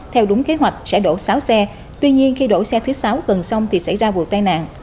theo đúng kế hoạch sẽ đổ sáu xe tuy nhiên khi đổ xe thứ sáu tuần xong thì xảy ra vụ tai nạn